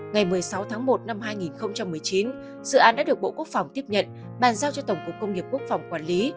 ngày một mươi sáu tháng một năm hai nghìn một mươi chín dự án đã được bộ quốc phòng tiếp nhận bàn giao cho tổng cục công nghiệp quốc phòng quản lý